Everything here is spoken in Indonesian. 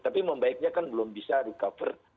tapi membaiknya kan belum bisa recover